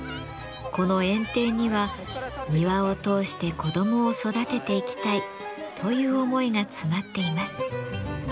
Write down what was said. この園庭には「庭を通して子どもを育てていきたい」という思いが詰まっています。